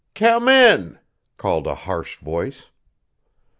"Come in!" called a harsh voice.